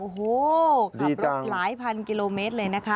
โอ้โหขับรถหลายพันกิโลเมตรเลยนะคะ